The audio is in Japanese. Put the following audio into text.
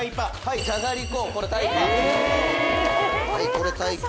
「これタイパ。